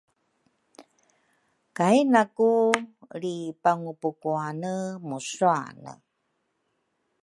kainaku lripangupukuane musuane.